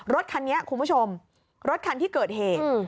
รถคันนี้คุณผู้ชมรถคันที่เกิดเหตุ